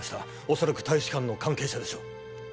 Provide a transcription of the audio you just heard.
恐らく大使館の関係者でしょう